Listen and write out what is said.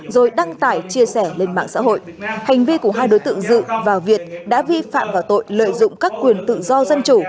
rồi đăng tải chia sẻ lên mạng xã hội hành vi của hai đối tượng dự và việt đã vi phạm vào tội lợi dụng các quyền tự do dân chủ